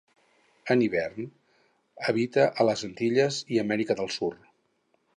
En hivern habita a les Antilles i Amèrica del Sud.